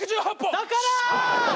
だから！